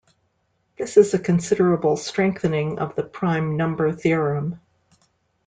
This is a considerable strengthening of the prime number theorem.